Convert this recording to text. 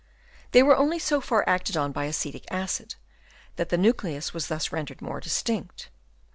They were only so far acted on by acetic acid that the nucleus was thus rendered more distinct.